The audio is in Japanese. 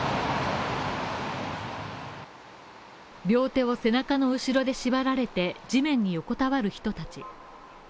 両手を背中の後ろで縛られて地面に横たわる人たち。